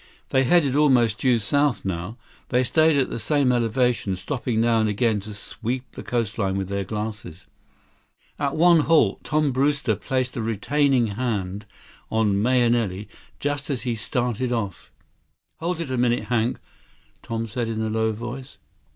They headed almost due south now. They stayed at the same elevation, stopping now and again to sweep the coast line with their glasses. At one halt, Tom Brewster placed a retaining hand on Mahenili just as he started off. "Hold it a moment, Hank," Tom said in a low voice.